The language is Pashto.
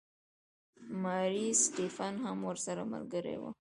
ماري سټیفن هم ورسره ملګرې وه.